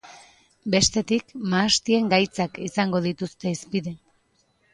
Bestetik, mahastien gaitzak izango dituzte hizpide.